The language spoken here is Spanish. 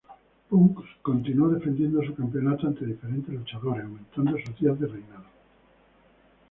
Punk continuó defendiendo su campeonato ante diferentes luchadores, aumentando sus días de reinado.